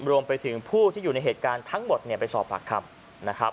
รวมไปถึงผู้ที่อยู่ในเหตุการณ์ทั้งหมดไปสอบปากคำนะครับ